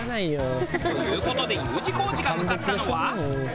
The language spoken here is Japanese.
という事でＵ字工事が向かったのは。